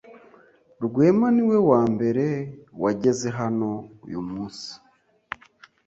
Rwema niwe wambere wageze hano uyumunsi.